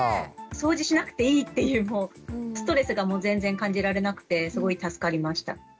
掃除しなくていいっていうストレスが全然感じられなくてすごい助かりました。